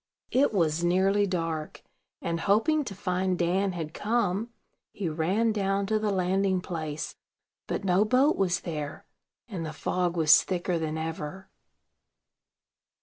It was nearly dark; and, hoping to find Dan had come, he ran down to the landing place. But no boat was there, and the fog was thicker than ever.